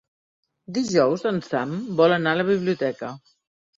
Dijous en Sam vol anar a la biblioteca.